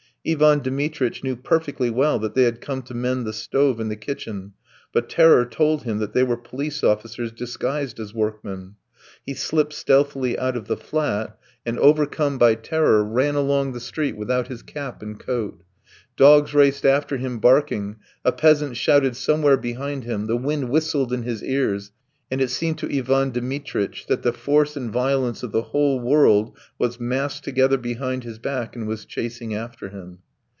Ivan Dmitritch knew perfectly well that they had come to mend the stove in the kitchen, but terror told him that they were police officers disguised as workmen. He slipped stealthily out of the flat, and, overcome by terror, ran along the street without his cap and coat. Dogs raced after him barking, a peasant shouted somewhere behind him, the wind whistled in his ears, and it seemed to Ivan Dmitritch that the force and violence of the whole world was massed together behind his back and was chasing after him.